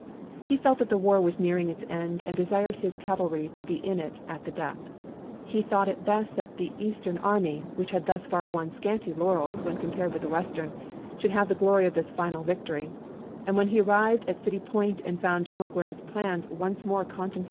He felt that the war was nearing its end and desired his cavalry to be in at the death. He thought it best that the Eastern army, which had thus far won scanty laurels when compared with the Western, should have the glory of this final victory; and when he arrived at City Point and found General Grant's plans once more contemplated the possi 1 Grant wrote to Sherman on lowing Sheridan.